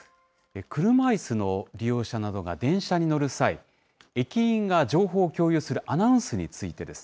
車いすの利用者などが電車に乗る際、駅員が情報を共有するアナウンスについてです。